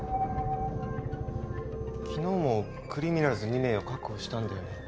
昨日もクリミナルズ２名を確保したんだよね